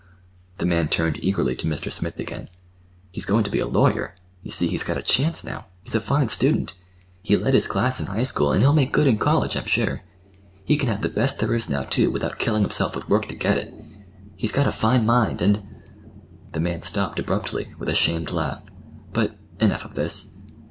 The man turned eagerly to Mr. Smith again. "He's going to be a lawyer—you see, he's got a chance now. He's a fine student. He led his class in high school, and he'll make good in college, I'm sure. He can have the best there is now, too, without killing himself with work to get it. He's got a fine mind, and—" The man stopped abruptly, with a shamed laugh. "But—enough of this.